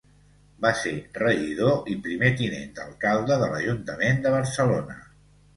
Va ser regidor i primer tinent d'alcalde de l'Ajuntament de Barcelona.